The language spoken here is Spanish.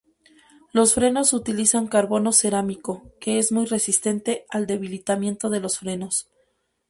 Los frenos utilizan carbono cerámico, que es muy resistente al debilitamiento de los frenos.